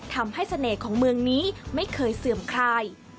ทำให้เสน่ห์ของเมืองนี้ไม่เคยเสื่อมคลาย